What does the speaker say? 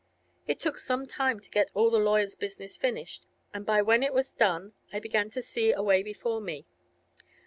It took some time to get all the lawyer's business finished, and by when it was done I began to see a way before me.